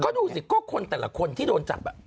ก็ดูสิก็คนแต่ละคนที่โดนจับ